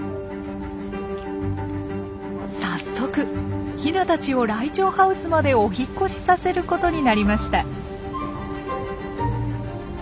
早速ヒナたちをライチョウハウスまでお引っ越しさせることになりました。